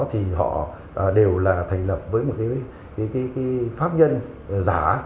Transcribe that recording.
thì họ đều là thành lập với một cái pháp nhân giả